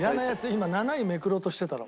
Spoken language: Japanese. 今７位めくろうとしてたろ？